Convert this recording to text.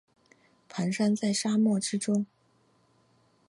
蹒跚在沙漠之中